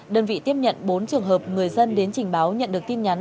đơn vị tiếp nhận bốn trường hợp người dân đến trình báo nhận được tin nhắn